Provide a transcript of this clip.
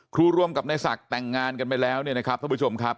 รวมกับในศักดิ์แต่งงานกันไปแล้วเนี่ยนะครับท่านผู้ชมครับ